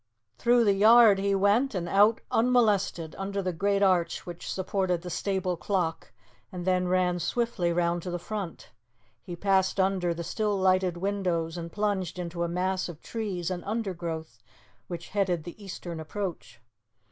Through the yard he went and out unmolested, under the great arch which supported the stable clock, and then ran swiftly round to the front. He passed under the still lighted windows and plunged into a mass of trees and undergrowth which headed the eastern approach.